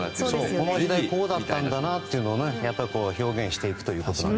この時代こうだったんだというのを表現していくという。